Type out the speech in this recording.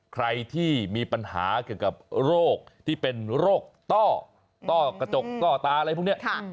ใครที่มีปัญหาเรื่องกับโรคที่เป็นโรคต้อต้าอะไร